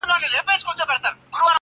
• زه له عزراییل څخه سل ځله تښتېدلی یم -